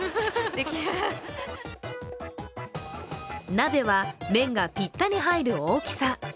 鍋は面がぴったり入る大きさ。